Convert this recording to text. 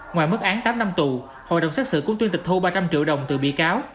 ngoài mức án tám năm tù hội đồng xét xử cũng tuyên tịch thu ba trăm linh triệu đồng từ bị cáo